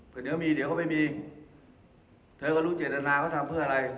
เดี๋ยวมีเดี๋ยวเขาไม่มีเธอก็รู้เจตนาเขาทำเพื่ออะไร